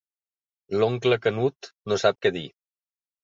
L'oncle Canut no sap què dir.